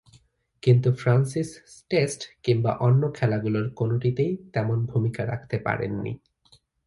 কিন্তু, Francis test কিংবা অন্য খেলাগুলোর কোনটিতেই তেমন ভূমিকা রাখতে পারেননি।